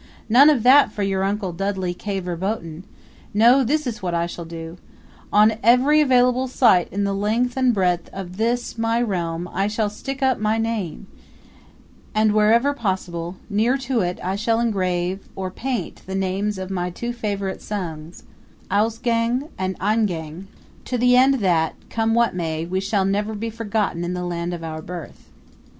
None of that for your Uncle Dudley K. Verboten! No; this is what I shall do: On every available site in the length and breadth of this my realm I shall stick up my name; and, wherever possible, near to it I shall engrave or paint the names of my two favorite sons, Ausgang and Eingang to the end that, come what may, we shall never be forgotten in the land of our birth."